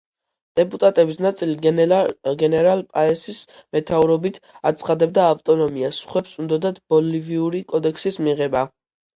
დეპუტატების ნაწილი, გენერალ პაესის მეთაურობით, აცხადებდა ავტონომიას, სხვებს უნდოდათ ბოლივიური კოდექსის მიღება.